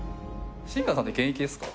新川さんって現役ですか？